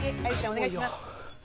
お願いします。